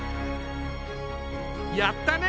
やったね！